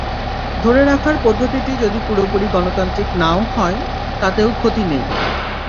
ধরে রাখার পদ্ধতিটি যদি পুরোপুরি গণতান্ত্রিক নাও হয়, তাতেও ক্ষতি নেই।